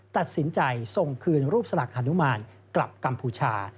ตัดสินใจส่งคืนรูปสลักฮานุมานกลับกัมพูชา